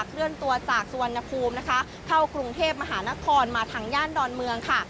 เคลื่อนตัวจากสุวรรณภูมินะคะเข้ากรุงเทพมหานครมาทางย่านดอนเมืองค่ะ